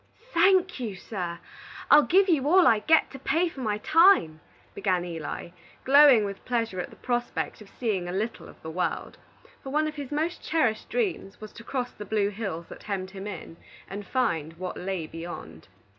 "Thank you, sir; I'll give you all I get, to pay for my time," began Eli, glowing with pleasure at the prospect of seeing a little of the world; for one of his most cherished dreams was to cross the blue hills that hemmed him in, and find what lay beyond.